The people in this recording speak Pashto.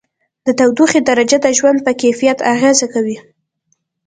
د تودوخې درجه د ژوند په کیفیت اغېزه کوي.